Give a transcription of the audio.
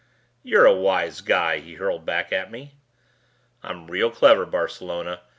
"You're a wise guy," he hurled back at me. "I'm real clever, Barcelona.